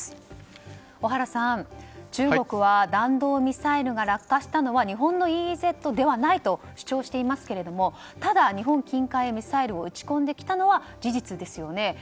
中国は弾道ミサイルが落下したのは日本のＥＥＺではないと主張していますがただ、日本近海にミサイルを撃ち込んできたのは事実ですよね。